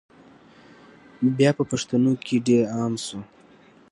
بیا په پښتنو کي ډېر عام سو